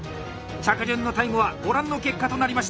着順のタイムはご覧の結果となりました。